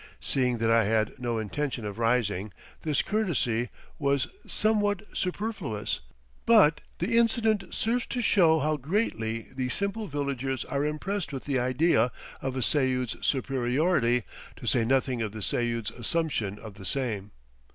Seeing that I had no intention of rising, this courtesy was somewhat superfluous, but the incident serves to show how greatly these simple villagers are impressed with the idea of a seyud's superiority, to say nothing of the seyud's assumption of the same.